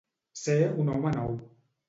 Ser un home nou.